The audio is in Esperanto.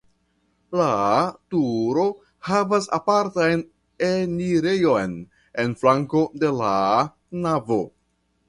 La turo havas apartan enirejon en flanko de la navo.